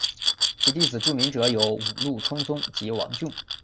其弟子著名者有五鹿充宗及王骏。